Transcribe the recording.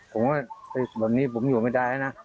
ผมว่าแบบนี้ผมอยู่ไม่ได้นะ